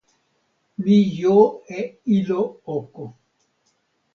mi jo e ilo oko.